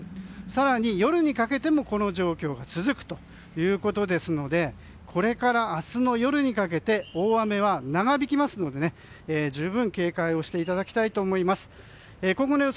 更に、夜にかけてもこの状況が続くということですのでこれから明日の夜にかけて大雨は長引きますので十分、警戒をしていただきたいと思います。